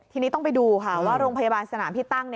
ทีนี้ต้องไปดูค่ะว่าโรงพยาบาลสนามที่ตั้ง